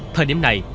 thời điểm này